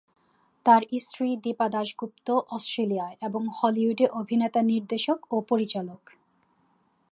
তার স্ত্রী দীপা দাশগুপ্ত অষ্ট্রেলিয়ায় এবং হলিউডে অভিনেতা নির্দেশক ও পরিচালক।